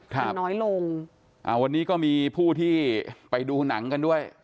มันน้อยลงอ่าวันนี้ก็มีผู้ที่ไปดูหนังกันด้วย